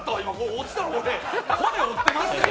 落ちたら、俺、骨折ってましたよ。